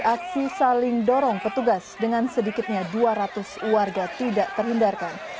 aksi saling dorong petugas dengan sedikitnya dua ratus warga tidak terhindarkan